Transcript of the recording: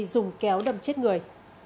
dùng kéo đầm chết người